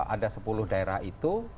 ada sepuluh daerah itu